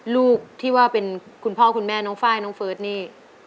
ลูกที่ว่าเป็นคุณพ่อคุณแม่น้องไฟล์น้องเฟิร์สนี่